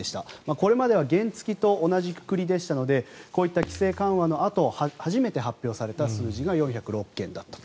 これまでは原付きと同じくくりでしたのでこういった規制緩和のあと初めて発表された数字が４０６件だったと。